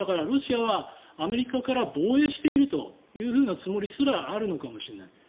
ロシアはアメリカから防衛しているというつもりすらあるのかもしれない。